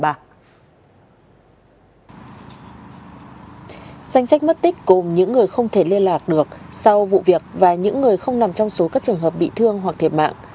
danh sách mất tích cùng những người không thể liên lạc được sau vụ việc và những người không nằm trong số các trường hợp bị thương hoặc thiệt mạng